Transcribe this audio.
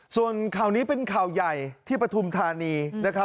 ส่วนข่าวนี้เป็นข่าวใหญ่ที่ปฐุมธานีนะครับ